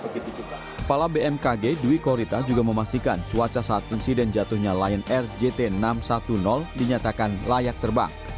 kepala bmkg dwi korita juga memastikan cuaca saat insiden jatuhnya lion air jt enam ratus sepuluh dinyatakan layak terbang